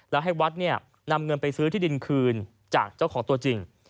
แล้วให้วัดเนี่ยนำเงินไปซื้อที่ดินคืนจากเจ้าของตัวจริง